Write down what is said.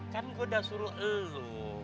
kan gue udah suruh lu